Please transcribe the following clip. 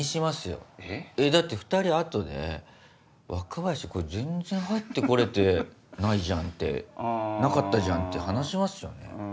よだって２人後で「若林これ全然入って来れてないじゃん」って「なかったじゃん」って話しますよね？